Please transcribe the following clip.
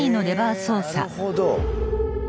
へなるほど。